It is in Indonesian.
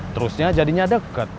terusnya jadinya deket